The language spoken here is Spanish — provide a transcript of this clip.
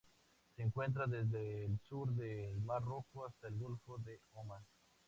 Se encuentra desde el sur del Mar Rojo hasta el Golfo de Omán.